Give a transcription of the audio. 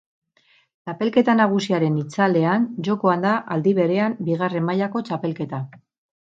Txapelketa nagusiaren itzalean, jokoan da aldi berean, bigarren mailako txapelketa.